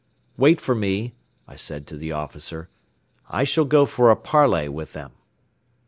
"Wait for me!" I said to the officer. "I shall go for a parley with them."